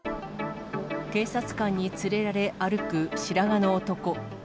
警察官に連れられ歩く白髪の男。